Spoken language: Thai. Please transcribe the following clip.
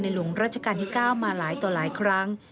หลวงราชการที่๙มาหลายต่อหลายครั้ง